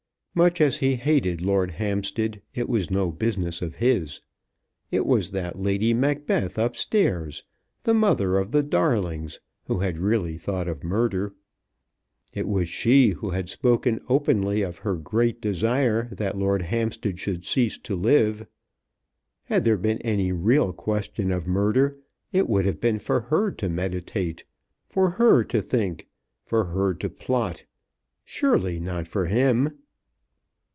Much as he hated Lord Hampstead, it was no business of his. It was that Lady Macbeth up stairs, the mother of the darlings, who had really thought of murder. It was she who had spoken openly of her great desire that Lord Hampstead should cease to live. Had there been any real question of murder it would have been for her to meditate, for her to think, for her to plot; surely not for him!